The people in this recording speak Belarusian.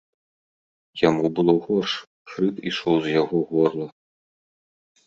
Яму было горш, хрып ішоў з яго горла.